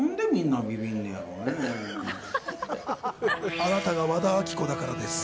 あなたが和田アキ子だからです。